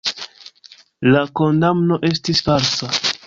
La kondamno estis falsa.